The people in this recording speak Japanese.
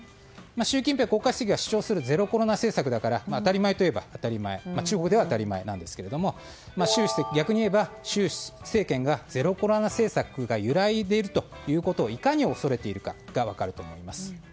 習近平国家主席が主張するゼロコロナ政策だから当たり前といえば中国では当たり前なんですが逆に言えば習政権がゼロコロナ政策が揺らいでいるということをいかに恐れているかが分かると思います。